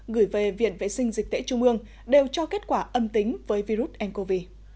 gửi về viện vệ sinh dịch tễ trung ương đều cho kết quả âm tính với virus ncov